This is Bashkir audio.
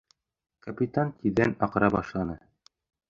Капитан тиҙҙән аҡыра башланы: